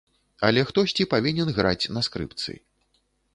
Але хтосьці павінен граць на скрыпцы.